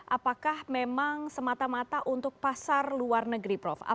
apakah memang semata mata untuk pasar luar negeri prof